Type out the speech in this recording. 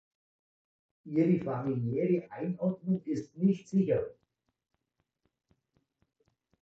Ihre familiäre Einordnung ist nicht sicher.